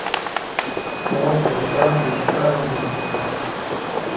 هو، خو روسانو بې حسابه ځمکې درلودې.